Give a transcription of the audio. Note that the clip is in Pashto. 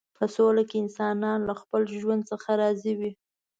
په سوله کې انسانان له خپل ژوند څخه راضي وي.